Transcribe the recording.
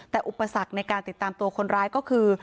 แต่อุปสรรคในการติดตามตัวคนร้ายก็คือ